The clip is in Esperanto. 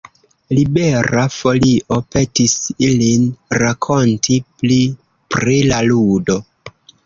Libera Folio petis ilin rakonti pli pri la ludo.